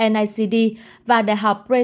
nicd và đại học brayton